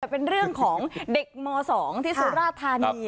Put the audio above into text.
แต่เป็นเรื่องของเด็กม๒ที่สุราธานี